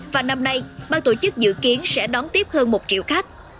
và năm nay ban tổ chức dự kiến sẽ đón tiếp hơn một triệu khách